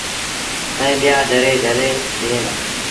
ائيٚݩ ٻيٚآ دريٚ جھلي بيٚهين دآ۔